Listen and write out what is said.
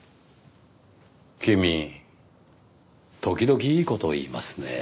君時々いい事言いますねぇ。